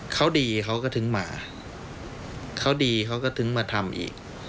เขาดีเขาก็ถึงมาเขาดีเขาก็ถึงมาทำอีก